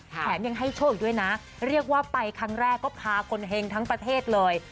แถมยังให้โชคอีกด้วยนะเรียกว่าไปครั้งแรกก็พาคนเฮงทั้งประเทศเลย